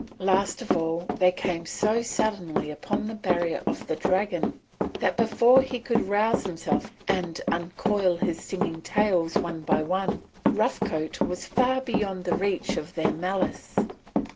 Last of all they came so suddenly upon the barrier of the dragon that before he could rouse himself and uncoil his stinging tails one by one Rough Coat was far beyond the reach of their malice.